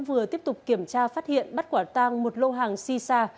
vừa tiếp tục kiểm tra phát hiện bắt quả tăng một lô hàng xì xa